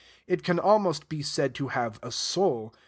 It can almost be said to have a soul.